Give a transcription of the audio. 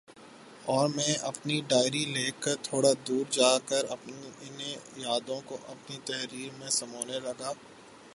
اور میں اپنی ڈائری لے کر تھوڑا دور جا کر ان یادوں کو اپنی تحریر میں سمونے لگا